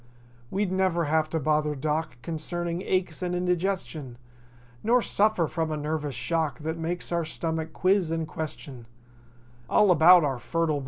We'd never have to bother Doc Concerning aches and indigestion; Nor suffer from a nervous shock That makes our stomach quiz and question All about our fertile